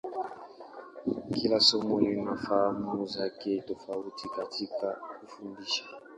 Kila somo lina fahamu zake tofauti katika kufundisha.